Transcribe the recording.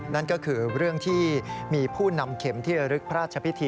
นั่นก็คือเรื่องที่มีผู้นำเข็มที่ระลึกพระราชพิธี